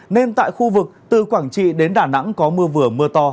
nên tại khu vực từ quảng trị đến đà nẵng có mưa vừa mưa to